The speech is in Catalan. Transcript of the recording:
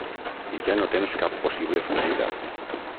I ja no tens cap possible fugida.